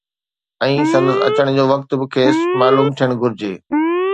۽ سندس اچڻ جو وقت به کيس معلوم ٿيڻ گهرجي